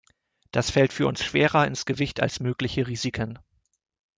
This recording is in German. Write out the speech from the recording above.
Das fällt für uns schwerer ins Gewicht als mögliche Risiken.